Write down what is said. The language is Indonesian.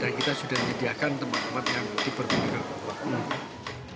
dan kita sudah menyediakan tempat tempat yang diperlukan